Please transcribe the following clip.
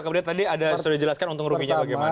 kemudian tadi sudah dijelaskan untung rumi bagaimana